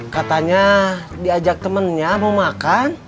katanya diajak temennya mau makan